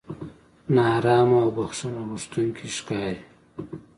نا ارامه او بښنه غوښتونکي ښکاري.